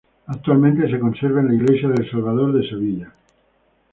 Actualmente se conserva en la iglesia del Salvador de Sevilla.